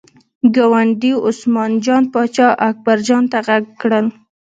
ګاونډي عثمان جان پاچا اکبر جان ته غږ کړل.